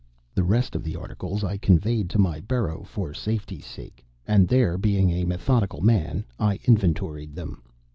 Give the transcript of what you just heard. The rest of the articles I conveyed to my burrow for safety's sake, and there being a methodical man, I inventoried them.